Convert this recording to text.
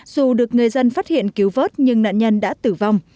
dù được người dân phát hiện cứu vớt nhưng nạn nhân đã tử vong